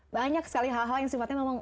banyak sekali hal hal yang sifatnya memang